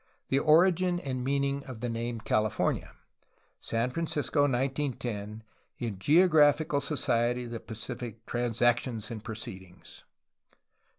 The origin and the meaning of the nams California (San Francisco. 1910), in Geographical so ciety of the Pacific, Transac tions and proceedings^ v.